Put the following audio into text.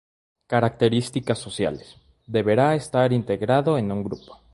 Características sociales: Deberá estar integrado en un grupo.